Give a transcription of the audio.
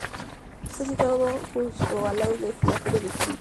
Está situado justo al lado de la Feria de Friburgo.